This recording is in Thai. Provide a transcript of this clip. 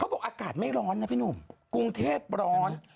บอกอากาศไม่ร้อนนะพี่หนุ่มกรุงเทพร้อน